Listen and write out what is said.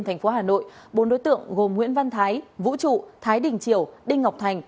thành phố hà nội bốn đối tượng gồm nguyễn văn thái vũ trụ thái đình triều đinh ngọc thành